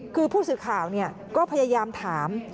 คือผู้สื่อข่าวก็พยายามถาม